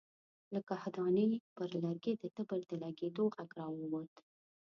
له کاهدانې پر لرګي د تبر د لګېدو غږ را ووت.